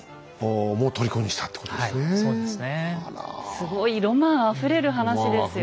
すごいロマンあふれる話ですよね。